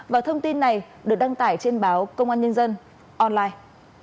và thông tin này được đăng tải trên báo công an nhân dân online